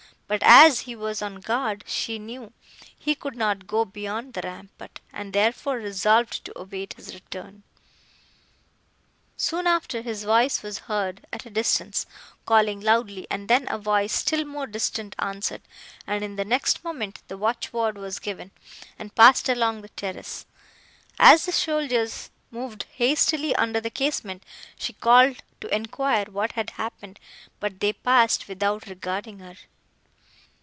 But, as he was on guard, she knew he could not go beyond the rampart, and, therefore, resolved to await his return. Soon after, his voice was heard, at a distance, calling loudly; and then a voice still more distant answered, and, in the next moment, the watch word was given, and passed along the terrace. As the soldiers moved hastily under the casement, she called to enquire what had happened, but they passed without regarding her.